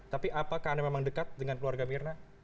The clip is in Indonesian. tapi apakah anda memang dekat dengan keluarga mirna